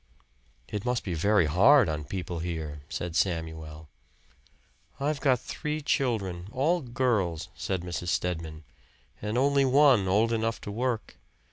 "It must be very hard on people here," said Samuel. "I've got three children all girls," said Mrs. Stedman, "and only one old enough to work.